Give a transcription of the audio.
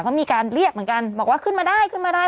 เขามีการเรียกเหมือนกันบอกว่าขึ้นมาได้ขึ้นมาได้